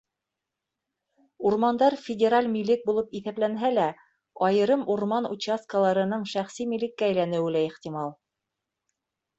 Урмандар федераль милек булып иҫәпләнһә лә, айырым урман участкаларының шәхси милеккә әйләнеүе лә ихтимал.